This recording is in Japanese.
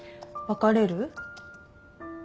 別れるよ。